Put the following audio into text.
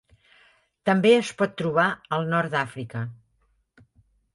També es pot trobar al nord d'Àfrica.